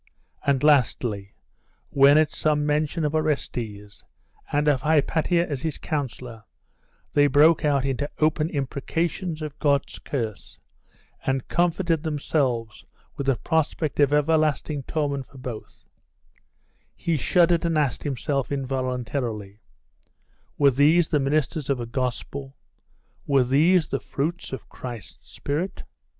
and lastly, when at some mention of Orestes, and of Hypatia as his counsellor, they broke out into open imprecations of God's curse, and comforted themselves with the prospect of everlasting torment for both; he shuddered and asked himself involuntarily were these the ministers of a Gospel? were these the fruits of Christ's Spirit?....